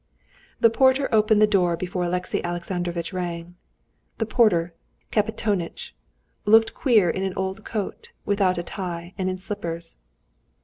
The porter opened the door before Alexey Alexandrovitch rang. The porter, Kapitonitch, looked queer in an old coat, without a tie, and in slippers.